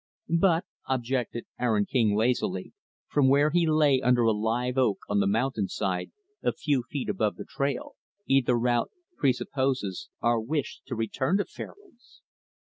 "But," objected Aaron King, lazily, from where he lay under a live oak on the mountainside, a few feet above the trail, "either route presupposes our wish to return to Fairlands."